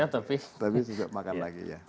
tapi besok makan lagi